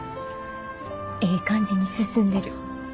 ええ感じに進んでる。